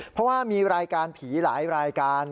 เพราะว่ามีรายการผีหลายรายการ